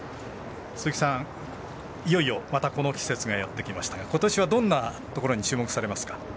鈴木さん、いよいよまたこの季節がやってきましたがことしは、どんなところに注目されますか？